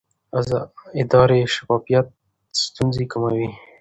اداري شفافیت ستونزې کموي